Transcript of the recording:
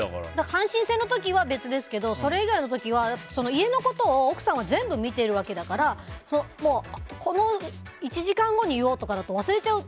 阪神戦の時は別ですけどそれ以外の時は家のことを奥さんが全部見ているわけだからこの１時間後に言おうとかだと忘れちゃう。